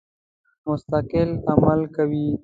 مستقل عمل کوي.